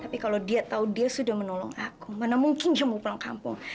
tapi kalau dia tahu dia sudah menolong aku mana mungkin dia mau pulang kampung